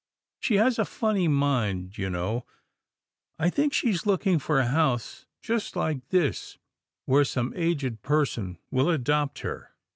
She has a funny mind, you know. I think she's looking for a house just like this, where some aged person will adopt her.''